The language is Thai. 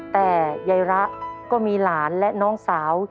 แต่ยายระก็มีหลานและน้องสาว